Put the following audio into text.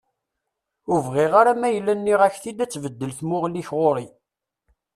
Ur bɣiɣ ara ma yella nniɣ-ak-t-id ad tbeddel tmuɣli-k ɣur-i!